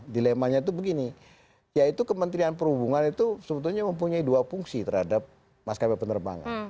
dilemanya itu begini yaitu kementerian perhubungan itu sebetulnya mempunyai dua fungsi terhadap maskapai penerbangan